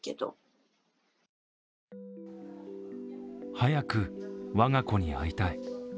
早く我が子に会いたい。